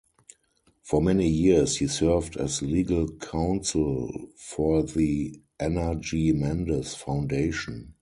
For many years he served as legal counsel for the Ana G. Mendez Foundation.